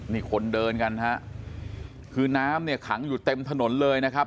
นี่คนเดินกันฮะคือน้ำเนี่ยขังอยู่เต็มถนนเลยนะครับ